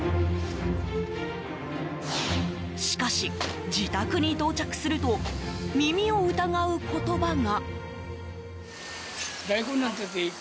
しかし、自宅に到着すると耳を疑う言葉が。